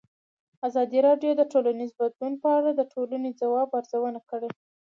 ازادي راډیو د ټولنیز بدلون په اړه د ټولنې د ځواب ارزونه کړې.